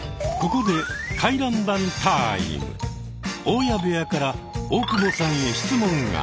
ここで大家部屋から大久保さんへ質問が。